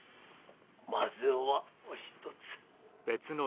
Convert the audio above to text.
まずはお一つ。